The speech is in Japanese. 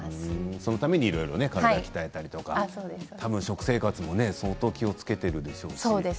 そのために体を鍛えたり食生活も相当気をつけているんでしょうし。